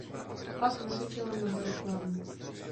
Pak natočila mnoho reklam.